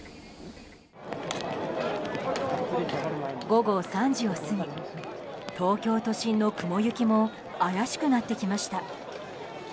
午後３時を過ぎ、東京都心の雲行きも怪しくなってきました。